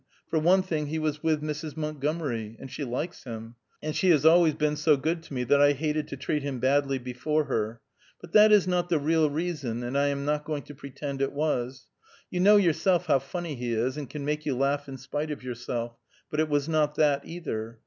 For one thing he was with Mrs. Montgomery, and she likes him, and she has always been so good to me that I hated to treat him badly before her; but that is not the real reason, and I am not going to pretend it was. You know yourself how funny he is, and can make you laugh in spite of yourself, but it was not that, either.